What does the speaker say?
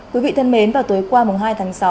quý vị thân mến vào tối qua hai tháng sáu